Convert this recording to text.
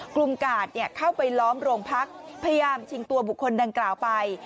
กาดเข้าไปล้อมโรงพักพยายามชิงตัวบุคคลดังกล่าวไป